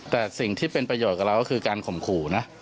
แต่สิ่งที่เป็นประโยชน์กับเราก็คือการข่มขู่นะ